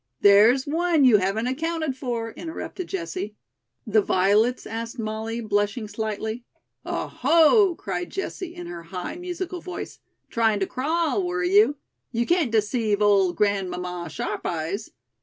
"There's one you haven't accounted for," interrupted Jessie. "The violets?" asked Molly, blushing slightly. "Oh, ho!" cried Jessie in her high, musical voice, "trying to crawl, were you? You can't deceive old Grandmamma Sharp eyes.